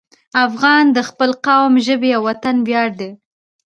افغان د خپل قوم، ژبې او وطن ویاړ دی.